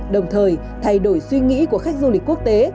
đồng thời thay đổi suy nghĩ của khách du lịch quốc tế